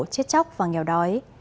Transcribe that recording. chết chóc và nghèo đói